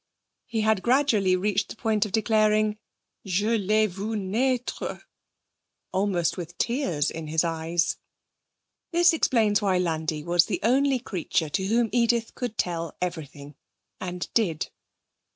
he had gradually reached the point of declaring, 'Je l'ai vue naître!' almost with tears in his eyes. This explains why Landi was the only creature to whom Edith could tell everything, and did.